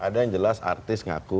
ada yang jelas artis ngaku